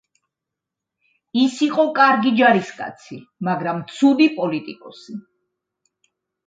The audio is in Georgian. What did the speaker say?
ის იყო კარგი ჯარისკაცი, მაგრამ ცუდი პოლიტიკოსი.